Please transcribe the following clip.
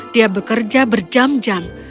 dia bekerja berjam jam